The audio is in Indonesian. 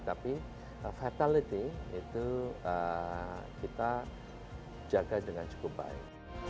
tapi fatality itu kita jaga dengan cukup baik